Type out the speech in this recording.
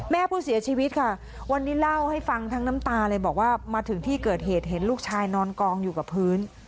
แม่ผู้เสียชีวิตค่ะวันนี้เล่าให้ฟังทั้งน้ำตาเลยบอกว่ามาถึงที่เกิดเหตุเห็นลูกชายนอนกองอยู่กับพื้น